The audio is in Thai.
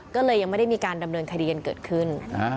ก็เลยยังไม่ได้มีการดำเนินคดีกันเกิดขึ้น